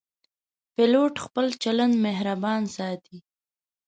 پیلوټ خپل چلند مهربان ساتي.